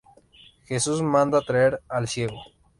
Jesús manda traer al ciego.